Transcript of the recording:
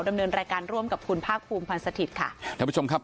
ดำเนินรายการร่วมกับคุณภาคภูมิพันธ์สถิตย์ค่ะท่านผู้ชมครับ